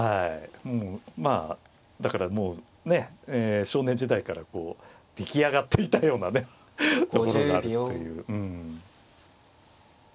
まあだからもうねえ少年時代からこう出来上がっていたようなねところがあるという。